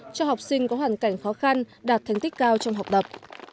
cho học sinh có hoàn cảnh khó khăn đạt thành tích cao trong học tập